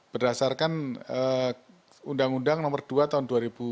berdasarkan undang undang nomor dua tahun dua ribu dua